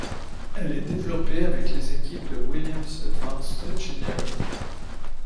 Elle est développée avec les équipes de Williams Advanced Engineering.